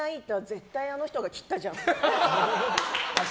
絶対あの人が切ったじゃん。